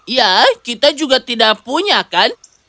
ya kita juga tidak punya kan